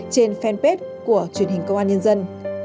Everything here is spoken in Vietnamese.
trên fanpage của truyền hình công an nhân dân